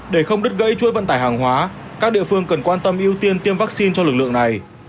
để không đứt gãy chuỗi vận tải hàng hóa các địa phương cần quan tâm ưu tiên tiêm vaccine cho lực lượng này